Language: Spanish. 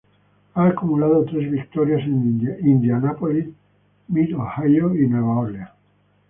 Ha acumulado tres victorias en Indianapolis, Mid-Ohio, y Nueva Orleans.